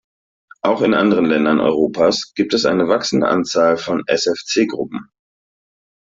Auch in anderen Ländern Europas gibt es eine wachsende Anzahl von SfC-Gruppen.